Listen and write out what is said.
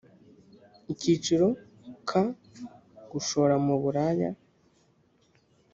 akiciro ka gushora mu buraya